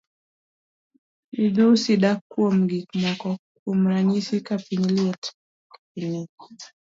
Midhusi dak kuom gik moko kuom ranyisi ka piny liet, ka piny ng'ich.